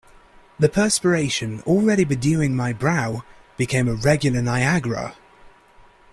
The perspiration, already bedewing my brow, became a regular Niagara.